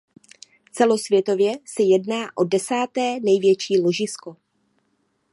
Celosvětově se jedná o desáté největší ložisko.